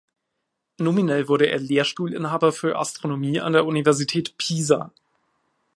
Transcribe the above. Nominell wurde er Lehrstuhlinhaber für Astronomie an der Universität Pisa.